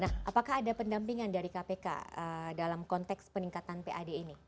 nah apakah ada pendampingan dari kpk dalam konteks peningkatan pad ini